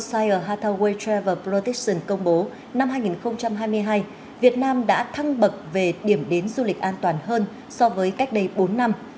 như tài hà tàu way travel protection công bố năm hai nghìn hai mươi hai việt nam đã thăng bậc về điểm đến du lịch an toàn hơn so với cách đây bốn năm